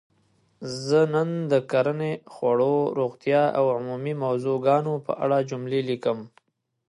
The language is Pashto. زه نن د کرنې ؛ خوړو؛ روغتیااو عمومي موضوع ګانو په اړه جملې لیکم.